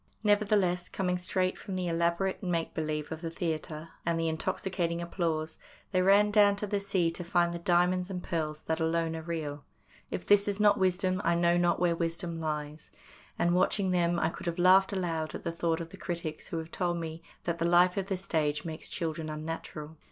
Nevertheless, coming fresh from the elaborate make belief 88 THE DAY BEFORE YESTERDAY of the theatre and the intoxicating applause, they ran down to the sea to find the diamonds and pearls that alone are real. If this is not wisdom I know not where wisdom lies, and, watching them, I could have laughed aloud at the thought of the critics who have told me that the life of the stage makes children unnatural.